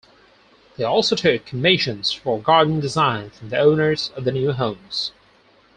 They also took commissions for garden design from the owners of the new homes.